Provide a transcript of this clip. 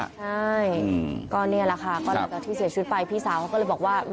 ใช่ก่อนเนี้ยแหละค่ะก็เป็นเพื่อนชิกไปพี่สาวเขาก็เลยบอกว่า